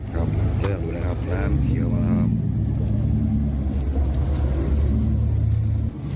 เริ่มแล้วครับน้ำเขียวมาแล้วครับ